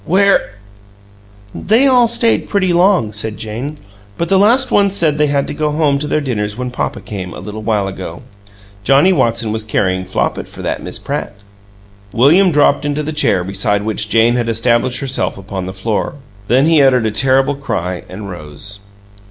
"WHERE " "They all stayed pretty long," said Jane, "but the last ones said they had to go home to their dinners when papa came, a little while ago. Johnnie Watson was carryin' Flopit for that Miss Pratt." William dropped into the chair beside which Jane had established herself upon the floor. Then he uttered a terrible cry and rose.